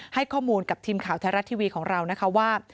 ให้ข้อมูลกับทีมข่าวไทยรัฐทีวีของเรานะคะว่า